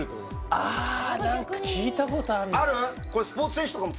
ああ何か聞いたことあるなある？